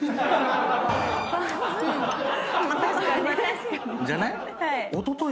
確かに。じゃない？